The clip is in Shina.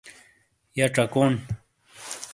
یھ ڇکوݨ۔